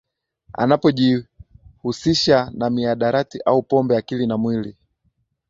anapojihusisha na mihadarati au pombe akili na mwili